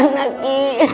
nggak mau kiki